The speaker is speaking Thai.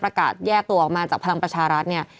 ประกาศแยกตัวออกมาจากภลังประชารัชเนี้ย